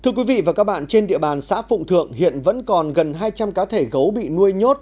thưa quý vị và các bạn trên địa bàn xã phụng thượng hiện vẫn còn gần hai trăm linh cá thể gấu bị nuôi nhốt